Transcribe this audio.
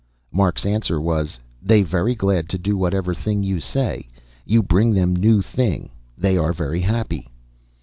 Mark's answer was: "They very glad to do whatever thing you say. You bring them new thing, they very happy."